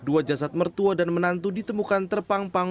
dua jasad mertua dan menantu ditemukan terpang pang